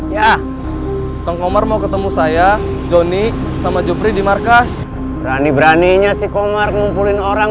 ya dong omar mau ketemu saya johnny sama jupri di markas rani beraninya si komar ngumpulin orang